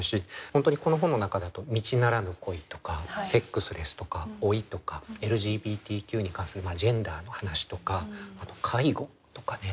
本当にこの本の中だと道ならぬ恋とかセックスレスとか老いとかＬＧＢＴＱに関するジェンダーの話とかあと介護とかね。